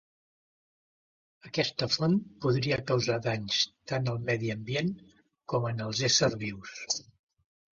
Aquesta font podria causar danys tant al medi ambient com en els éssers vius.